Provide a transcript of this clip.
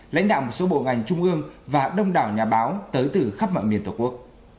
lãnh đạo một số bộ ngành trung ương và đông đảo nhà báo tới từ khắp mọi miền tổ quốc